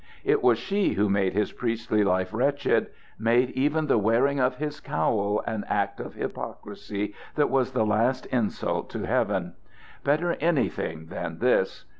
It was she who made his priestly life wretched made even the wearing of his cowl an act of hypocrisy that was the last insult to Heaven. Better anything than this.